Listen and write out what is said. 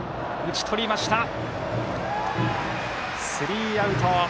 スリーアウト。